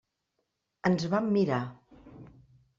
Ens vam mirar.